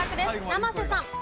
生瀬さん。